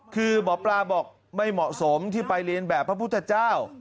คือหมอปลาบอกไม่เหมาะสมที่ไปเรียนแบบพระพุทธเจ้า